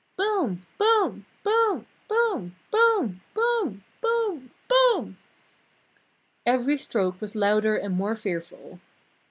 "Boom! Boom! Boom! Boom! Boom! Boom! Boom! Boom!" every stroke was louder and more fearful.